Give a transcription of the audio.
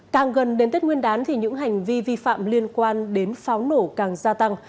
càng gần đến tết nguyên đán thì những hành vi vi phạm liên quan đến pháo nổ càng gia tăng